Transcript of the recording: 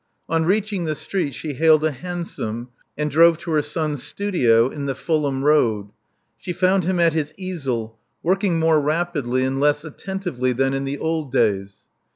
On reaching the street she hailed a hansom, and drove to her son's studio in the Fulham Road. She found him at his easel, working more rapidly and less attentively than in the old days.